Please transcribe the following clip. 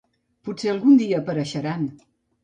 Potser algun dia apareixeran.